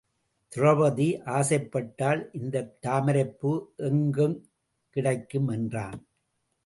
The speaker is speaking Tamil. திரொபதி ஆசைப்பட்டாள் இந்தத் தாமரைப் பூ எங்குக் கிடைக்கும்? என்றான்.